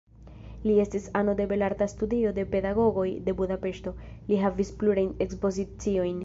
Li estis ano de belarta studio de pedagogoj de Budapeŝto, li havis plurajn ekspoziciojn.